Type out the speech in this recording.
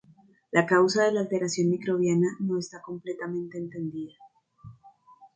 La causa de la alteración microbiana no está completamente entendida.